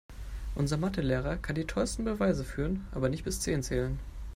Unser Mathe-Lehrer kann die tollsten Beweise führen, aber nicht bis zehn zählen.